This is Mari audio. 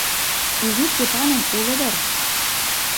Изи Степанын уло дыр...